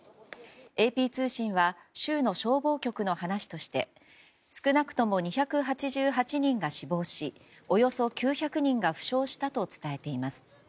ＡＰ通信は州の消防局の話として少なくとも２８８人が死亡しおよそ９００人が負傷したと伝えています。